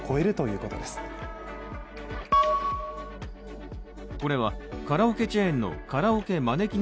これはカラオケチェーンのカラオケまねきね